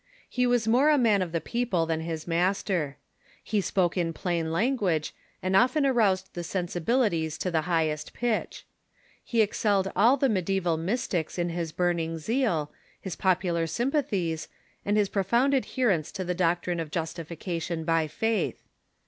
He was more a man of the people than his master. He spoke in plain language, and often John Tauler ,.^.,.,..^,,.,*'.,_, aroused the sensibilities to the Jngbest pitch. He excelled all the mediffival Mystics in his burning zeal, his pop ular sympathies, and his profound adherence to the doctrine of justification by faith.